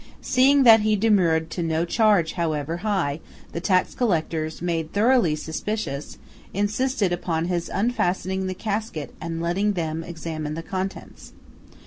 Seeing that he demurred to no charge, however high, the tax collectors, made thoroughly suspicious, insisted upon his unfastening the casket and letting them examine the contents.